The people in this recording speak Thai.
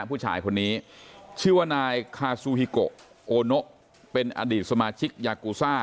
ผู้ชายคนนี้ชื่อว่านายคาซูฮิโกโอโนเป็นอดีตสมาชิกยากูซ่า